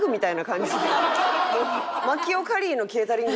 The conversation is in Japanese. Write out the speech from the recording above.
マキオカリーのケータリング